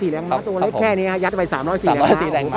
๓๐๔แรงมะตัวเล็กแค่นี้ยัดไป๓๐๔แรงมะ